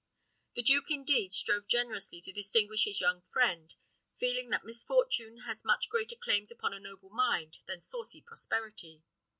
The duke, indeed, strove generously to distinguish his young friend, feeling that misfortune has much greater claims upon a noble mind than saucy prosperity.